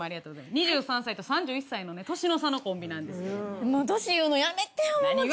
２３歳と３１歳のね年の差のコンビなんです。